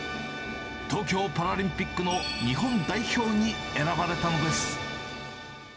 東京パラリンピックの日本代表に選ばれたのです。